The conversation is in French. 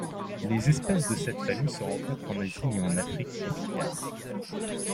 Les espèces de cette famille se rencontrent en Asie et en Afrique tropicale.